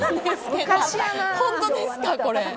本当ですか、これ。